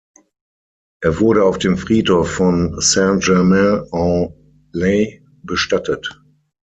Er wurde auf dem Friedhof von Saint-Germain-en-Laye bestattet.